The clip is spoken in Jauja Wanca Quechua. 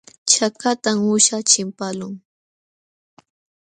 Chakatam uusha chimpaqlun.